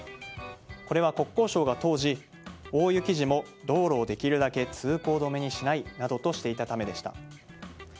これは国交省が当時大雪時も道路をできるだけ通行止めにしないなどとしていたためでした。